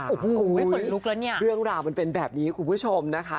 โอ้ยเรื่องราวมันเป็นแบบนี้คุณผู้ชมนะคะ